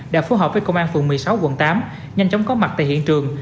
đã phối hợp với công an phường một mươi sáu quận tám nhanh chóng có mặt tại hiện trường